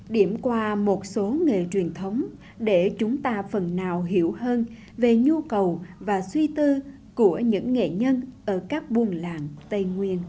điểm qua một số nghề truyền thống để chúng ta phần nào hiểu hơn về nhu cầu và suy tư của những nghệ nhân ở các buôn làng tây nguyên